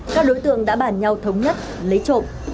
các đối tượng đã bàn nhau thống nhất lấy trộm